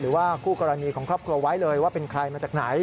คู่กรณีของครอบครัวไว้เลยว่าเป็นใครมาจากไหน